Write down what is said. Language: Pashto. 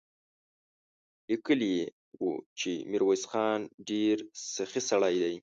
ليکلي يې و چې ميرويس خان ډېر سخي سړی دی.